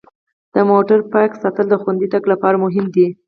د موټر پاک ساتل د خوندي تګ لپاره مهم دي.